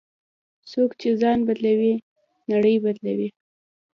څوک چې ځان بدلوي، نړۍ بدلوي.